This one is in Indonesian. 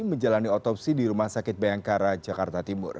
menjalani otopsi di rumah sakit bayangkara jakarta timur